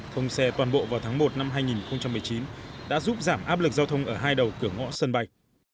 thông xe toàn bộ vào tháng một năm hai nghìn một mươi chín đã giúp giảm áp lực giao thông ở hai đầu cửa ngõ sân bay